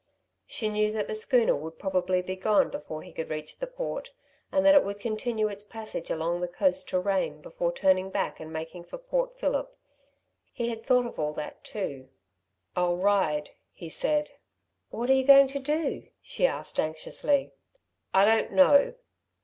She knew that the schooner would probably be gone before he could reach the Port, and that it would continue its passage along the coast to Rane before turning back and making for Port Phillip. He had thought of all that too. "I'll ride," he said. "What are you going to do," she asked anxiously. "I don't know!"